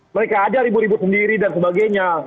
mereka aja ribu ribu sendiri dan sebagainya